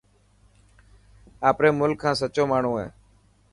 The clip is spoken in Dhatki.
آپري ملڪ کان سچو ماڻهو هي.